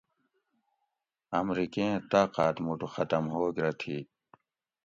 امریکیں طاقات موٹو ختم ہوگ رہ تھی